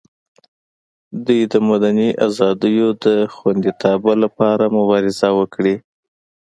دوی د مدني ازادیو د خوندیتابه لپاره مبارزه وکړي.